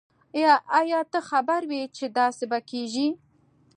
آیا ته خبر وی چې داسي به کیږی